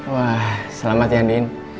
wah selamat ya nien